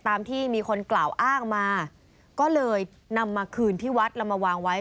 ตามที่มีคนกล่าวอ้างมาก็เลยนำมาคืนที่วัดแล้วมาวางไว้